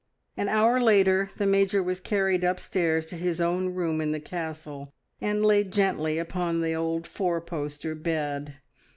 An hour later the Major was carried upstairs to his own room in the Castle, and laid gently upon the old four poster bed.